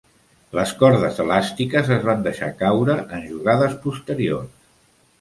Les cordes elàstiques es van deixar caure en jugades posteriors.